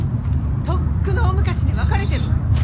とっくの大昔に別れてるわよ！